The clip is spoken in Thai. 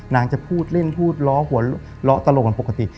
นางจะพูดเล่นพูดล้อหัวล้อตลกกันปกติ